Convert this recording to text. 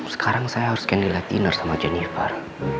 sekarang saya harus ke nile tinar sama jennifer